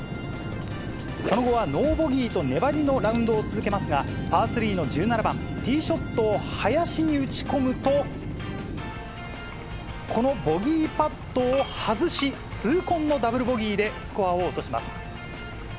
その後はノーボギーと、粘りのラウンドを続けますが、パー３の１７番、ティーショットを林に打ち込むと、このボギーパットを外し、痛恨のダブルボギーで、スコアを落とします。